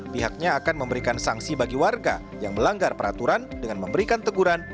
pihaknya akan memberikan sanksi bagi warga yang melanggar peraturan dengan memberikan teguran